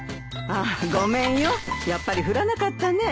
ごめんよやっぱり降らなかったね。